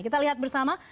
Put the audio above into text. kita lihat bersama